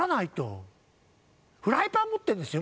フライパン持ってるんですよ